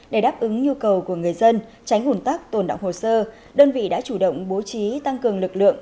để đáp ứng nhu cầu của người dân tránh ủn tắc tồn động hồ sơ đơn vị đã chủ động bố trí tăng cường lực lượng